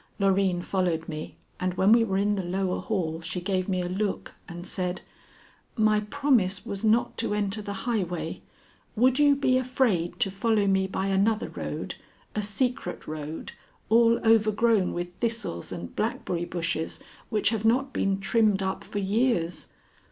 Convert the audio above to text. Loreen followed me, and when we were in the lower hall she gave me a look and said: "My promise was not to enter the highway. Would you be afraid to follow me by another road a secret road all overgrown with thistles and blackberry bushes which have not been trimmed up for years?"